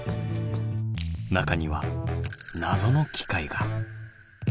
中には謎の機械が。